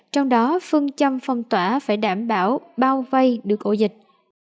trong đó phương châm phong tỏa phải đảm bảo bao vây được ổ dịch